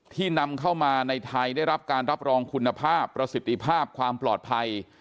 นำเข้ามาในไทยได้รับการรับรองคุณภาพประสิทธิภาพความปลอดภัย